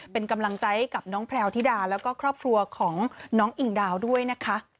เป็นกำลังใจให้กับน้องแพลวธิดาแล้วก็ครอบครัวของน้องอิ่งดาวด้วยนะคะ